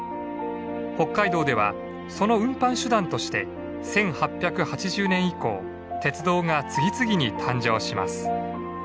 北海道ではその運搬手段として１８８０年以降鉄道が次々に誕生します。